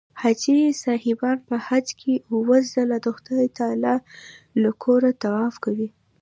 حاجي صاحبان په حج کې اووه ځله د خدای تعلی له کوره طواف کوي.